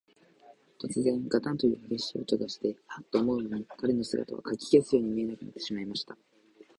とつぜん、ガタンというはげしい音がして、ハッと思うまに、彼の姿は、かき消すように見えなくなってしまいました。